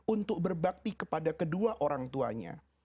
untuk berbakti kepada kedua orang tuanya